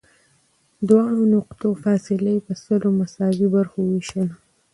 دواړو نقطو فاصله یې په سلو مساوي برخو ووېشله.